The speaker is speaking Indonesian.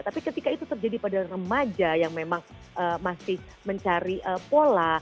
tapi ketika itu terjadi pada remaja yang memang masih mencari pola